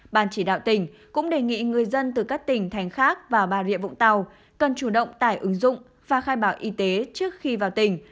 ban chỉ đạo tỉnh cũng đề nghị người dân từ các tỉnh thành khác vào bà rịa vũng tàu cần chủ động tải ứng dụng và khai báo y tế trước khi vào tỉnh